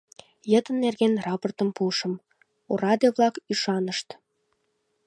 Йытын нерген рапортым пуышым, ораде-влак ӱшанышт.